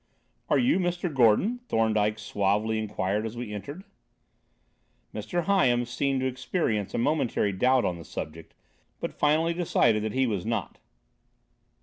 "Are you Mr. Gordon?" Thorndyke suavely inquired as we entered. Mr. Hyams seemed to experience a momentary doubt on the subject, but finally decided that he was not.